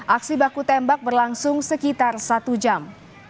aksi baku tembak berlangsung sekitar satu jam